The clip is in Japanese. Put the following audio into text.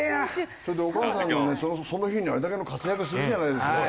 それでお母さんのねその日にあれだけの活躍するじゃないですか。